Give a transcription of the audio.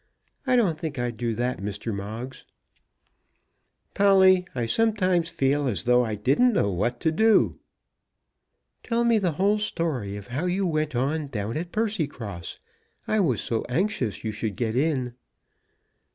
I don't think I'd do that, Mr. Moggs." "Polly, I sometimes feel as though I didn't know what to do." "Tell me the whole story of how you went on down at Percycross. I was so anxious you should get in."